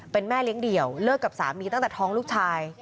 เป็นแม่เลี้ยงเดี่ยวเลิกกับสามีตั้งแต่ท้องลูกชาย